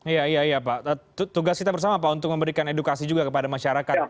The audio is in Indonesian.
iya iya pak tugas kita bersama pak untuk memberikan edukasi juga kepada masyarakat